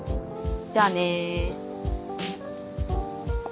じゃあね。